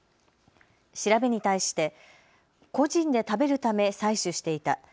調べに対して個人で食べるため採取していた。